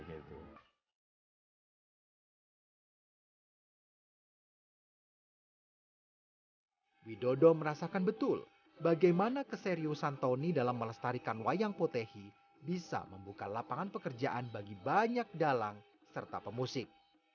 widodo merasakan betul bagaimana keseriusan tony dalam melestarikan wayang potehi bisa membuka lapangan pekerjaan bagi banyak dalang serta pemusik